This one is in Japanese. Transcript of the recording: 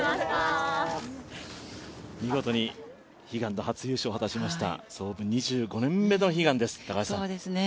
見事に悲願の初優勝を果たしました、創部２５年目の悲願です。